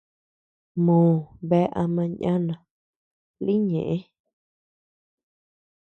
Mòo bea ama ñana lï ñeʼë.